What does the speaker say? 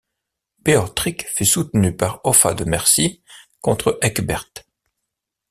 Beorhtric fut soutenu par Offa de Mercie contre Ecgberht.